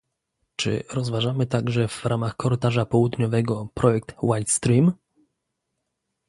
Czy rozważamy także, w ramach korytarza południowego, projekt White Stream ?